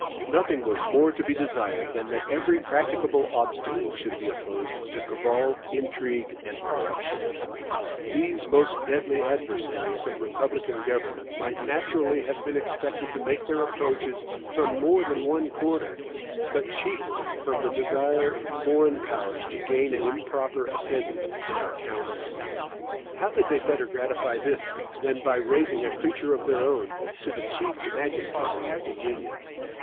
Nothing was more to be desired than that every practicable obstacle should be opposed to cabal, intrigue, and corruption. These most deadly adversaries of republican government might naturally have been expected to make their approaches from more than one quarter, but chiefly from the desire in foreign powers to gain an improper ascendant in our councils. How could they better gratify this, than by raising a creature of their own to the chief magistracy of the Union?